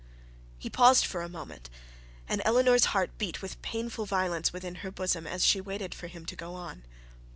He paused for a moment, and Eleanor's heart beat with painful violence within her bosom as she waited for him to go on.